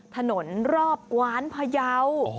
ถนนรอบกวานพยาว